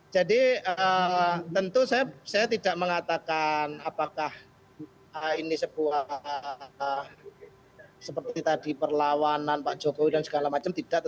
jadi tentu saya tidak mengatakan apakah ini sebuah seperti tadi perlawanan pak jokowi dan segala macam